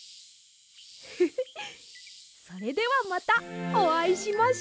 フフフそれではまたおあいしましょう！